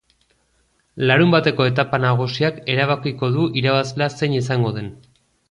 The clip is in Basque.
Larunbateko etapa nagusiak erabakiko du irabazlea zein izango den.